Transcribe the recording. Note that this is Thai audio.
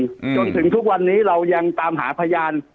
จนถึงทุกวันนี้เรายังตามหาพยาน